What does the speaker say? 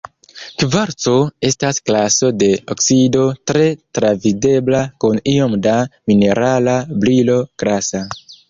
Kvarco estas klaso de oksido, tre travidebla kun iom da minerala brilo grasa.